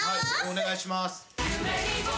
お願いします。